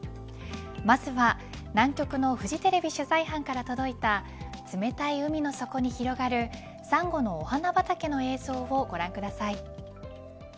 まずは南極のフジテレビ取材班から届いた冷たい海の底に広がるサンゴのお花畑の映像をご覧ください。